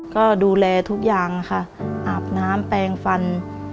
ก็ดูแลทุกอย่างค่ะอาบน้ำแปลงฟัน